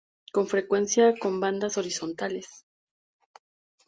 Con frecuencia con bandas horizontales.